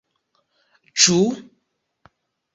Ĉu?